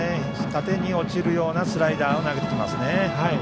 縦に落ちるようなスライダーを投げてきますね。